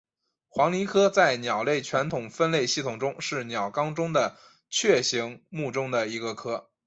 黄鹂科在鸟类传统分类系统中是鸟纲中的雀形目中的一个科。